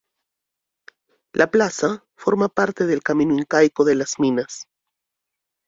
La Plaza forma parte del camino incaico de Las Minas.